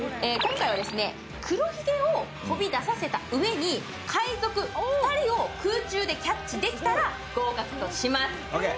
今回は黒ひげを飛び出させたうえに海賊２人を空中でキャッチできたら合格とします。